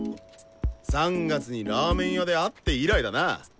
３月にラーメン屋で会って以来だな！